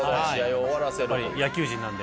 やっぱり野球人なので。